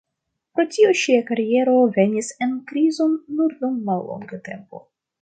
Pro tio ŝia kariero venis en krizon nur dum mallonga tempo.